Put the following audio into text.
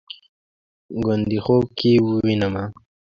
ګوندې خوب کې ووینمه